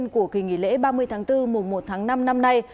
của kỳ nghỉ lễ ba mươi tháng bốn mùa một tháng năm năm nay